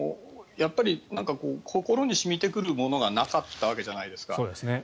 やっぱり心に染みてくるものがなかったわけじゃないですか。